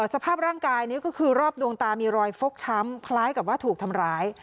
สภาพร่างกายนี่ก็คือรอบดวงตามีรอยฟกช้ำคล้ายกับว่าถูกทำร้าย